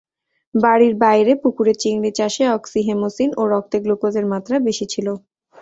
বাড়ির বাইরের পুকুরে চিংড়ি চাষে অক্সিহেমোসিন ও রক্তে গ্লুকোজের মাত্রা বেশি ছিল।